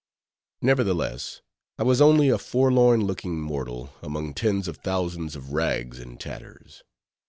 Nevertheless, I was only a forlorn looking mortal among tens of thousands of rags and tatters.